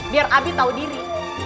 biar abie tau diri